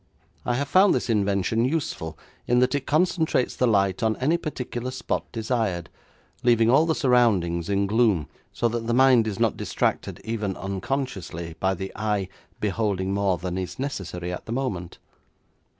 I have found this invention useful in that it concentrates the light on any particular spot desired, leaving all the surroundings in gloom, so that the mind is not distracted, even unconsciously, by the eye beholding more than is necessary at the moment.